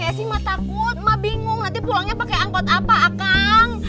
eh sih ibu takut ibu bingung pulangnya pakai angkot apa akang